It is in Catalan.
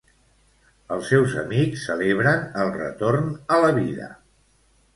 Els seus amics celebren el retorn a la vida.